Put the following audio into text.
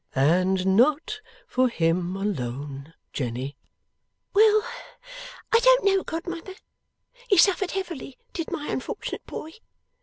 'And not for him alone, Jenny.' 'Well! I don't know, godmother. He suffered heavily, did my unfortunate boy.